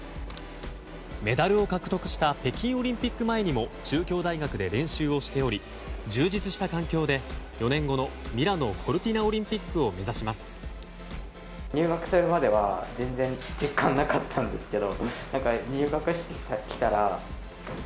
メダルを獲得した北京オリンピック前にも中京大学で練習をしており充実した環境で４年後のミラノ・コルティナオリンピックを目指します。